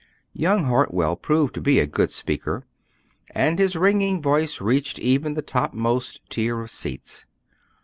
Young Hartwell proved to be a good speaker, and his ringing voice reached even the topmost tier of seats.